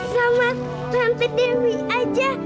ketemu sama tante dewi aja